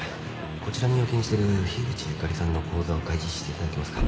こちらに預金してる樋口ゆかりさんの口座を開示していただけますか？